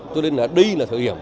cho nên đây là thời hiểm